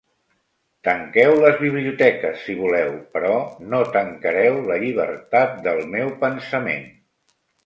Tanqueu les biblioteques si voleu, però no tancareu la llibertat del meu pensament.